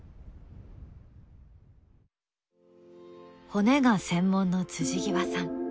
骨が専門の極さん